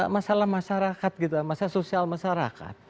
masalah masyarakat gitu masalah sosial masyarakat